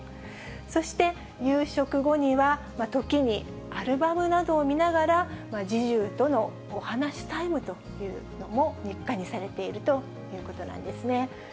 そして夕食後には、ときにアルバムなどを見ながら、侍従とのお話タイムというのも日課にされているということなんですね。